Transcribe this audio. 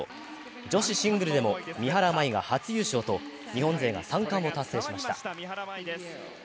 女子シングルでも三原舞依が初優勝と日本勢が３冠を達成しました。